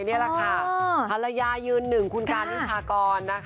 ธรรยายืนหนึ่งคุณการวิภากร